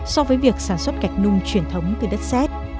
so với việc sản xuất gạch nung truyền thống từ đất xét